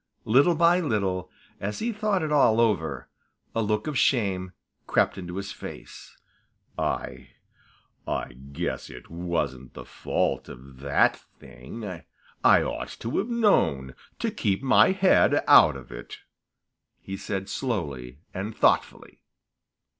Little by little, as he thought it all over, a look of shame crept into his face. "I I guess it wasn't the fault of that thing. I ought to have known enough to keep my head out of it," he said slowly and thoughtfully.